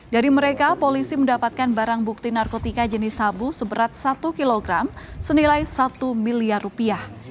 dari mereka polisi mendapatkan barang bukti narkotika jenis sabu seberat satu kg senilai satu miliar rupiah